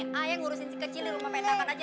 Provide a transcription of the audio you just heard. nih ayah ngurusin si kecil di rumah pak haji tarkan aja